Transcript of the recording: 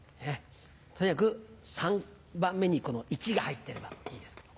とにかく３番目に「一」が入ってればいいですから。